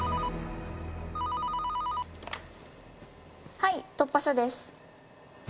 はい突破署です。